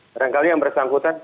barangkali yang bersangkutan